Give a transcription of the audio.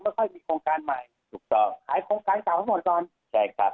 ไม่ค่อยมีโครงการใหม่ถูกต้องขายของขายต่อมาหมดก่อนใช่ครับ